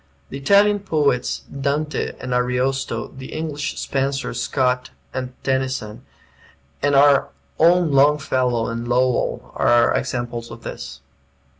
The Italian poets, Dante and Ariosto, the English, Spenser, Scott, and Tennyson, and our own Longfellow and Lowell, are examples of this.